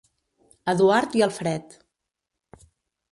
Eduard i Alfred.